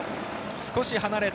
少し離れて